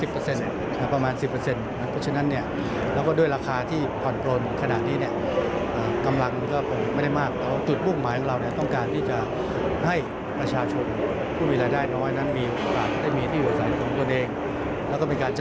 เพราะฉะนั้นและด้วยราคาที่พอด์โพนขนาดนี้กำลังไม่ได้มากตรูปภูมิทุกหมายของเราต้องการที่จะให้ประชาชนผู้มีเวลาได้น้อยด้วยมีเปลี่ยนที่อยู่อาศัยของตัวเอง